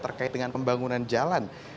terkait dengan pembangunan jalan